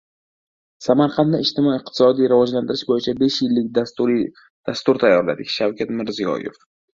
Samarqandni ijtimoiy-iqtisodiy rivojlantirish bo‘yicha besh yillik dastur tayyorladik – Shavkat Mirziyoyev